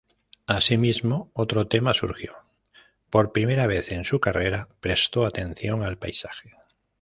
Asimismo, otro tema surgió: por primera vez en su carrera, prestó atención al paisaje.